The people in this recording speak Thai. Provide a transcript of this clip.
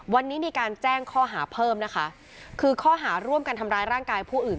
วันนี้มีการแจ้งข้อหาเพิ่มนะคะคือข้อหาร่วมกันทำร้ายร่างกายผู้อื่น